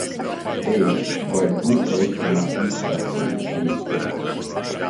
Ei, vai tu esi man izstāstījis visu?